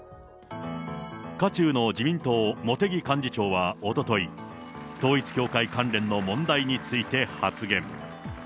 渦中の自民党、茂木幹事長はおととい、統一教会関連の問題について発言。